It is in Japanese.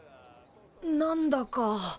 なんだか。